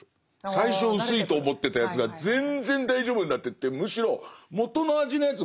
最初薄いと思ってたやつが全然大丈夫になってってむしろ元の味のやつ